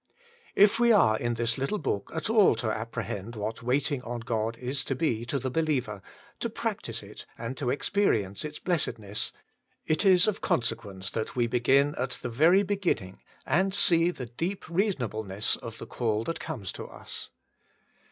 If we are in this little book at all to appre hend what waiting on God is to be to the believer, to practise it and to experience its blessedness, it is of consequence that we begin at the very beginning, and see the deep reason ableness of the call that comes to us.